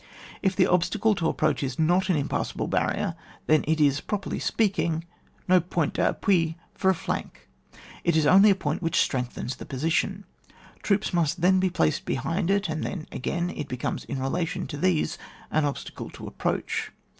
If the obstacle to approach is not an impassable barrier, then it is, properly speaking, no point d'appui for a flank, it is only a point which strengthens the position. Q^oops must then be placed behind it, and then again it becomes in relation to these an obstacle to approach.